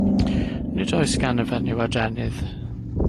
Nid oes gan y fenyw adenydd.